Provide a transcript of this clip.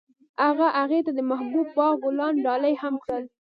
هغه هغې ته د محبوب باغ ګلان ډالۍ هم کړل.